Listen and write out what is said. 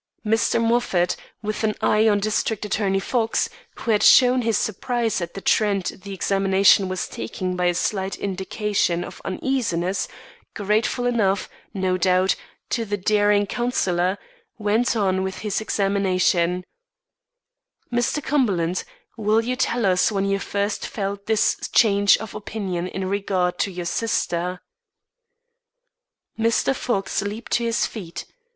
Mr. Moffat, with an eye on District Attorney Fox, who had shown his surprise at the trend the examination was taking by a slight indication of uneasiness, grateful enough, no doubt, to the daring counsellor, went on with his examination: "Mr. Cumberland, will you tell us when you first felt this change of opinion in regard to your sister?" Mr. Fox leaped to his feet.